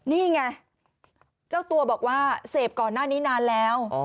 นี่ไงเจ้าตัวบอกว่าเสพก่อนหน้านี้นานแล้ว